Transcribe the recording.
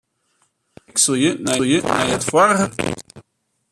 Wikselje nei it foarige finster.